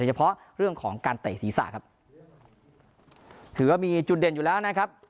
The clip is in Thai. เฉพาะเรื่องของการเตะศีรษะครับถือว่ามีจุดเด่นอยู่แล้วนะครับ